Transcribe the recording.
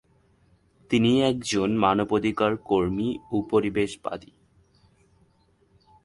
তিনি একজন মানবাধিকার কর্মী ও পরিবেশবাদী।